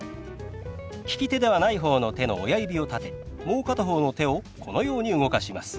利き手ではない方の手の親指を立てもう片方の手をこのように動かします。